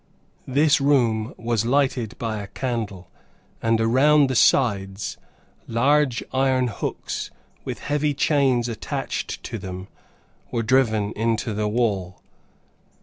This room was lighted by a candle, and around the sides, large iron hooks with heavy chains attached to them, were driven into the wall.